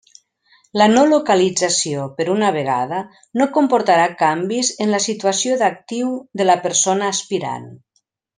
La no localització per una vegada no comportarà canvis en la situació d'actiu de la persona aspirant.